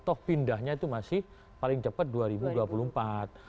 toh pindahnya itu masih paling cepat dua ribu dua puluh empat